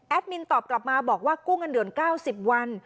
มินตอบกลับมาบอกว่ากู้เงินเดือน๙๐วัน